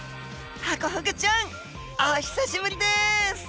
ハコフグちゃん！お久しぶりです！